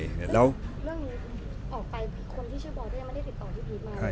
เรื่องออกไปคนที่เชื้อบอกยังไม่ได้ติดต่อพี่พีชมา